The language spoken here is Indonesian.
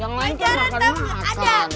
yang lain kan makannya makan